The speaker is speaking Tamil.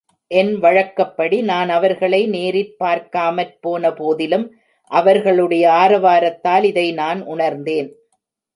என் வழக்கப்படி நான் அவர்களை நேரிற் பார்க்காமற் போனபோதிலும், அவர்களுடைய ஆரவாரத் தால் இதை நான் உணர்ந்தேன்.